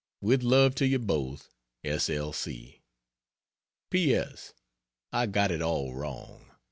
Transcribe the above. With love to you both S. L. C. P. S. I got it all wrong.